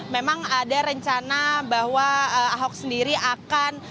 memang ada rencana bahwa ahok sendiri akan